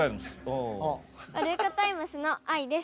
ワルイコタイムスのあいです。